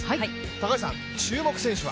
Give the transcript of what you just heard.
高橋さん、注目選手は？